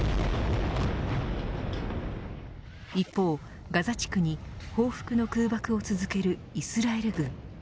一方、ガザ地区に報復の空爆を続けるイスラエル軍。